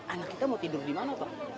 anak kita mau tidur dimana pak